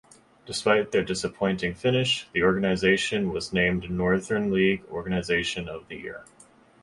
Despite their disappointing finish, the organization was named Northern League Organization of the Year.